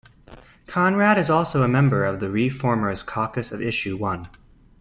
Conrad is also a member of the ReFormers Caucus of Issue One.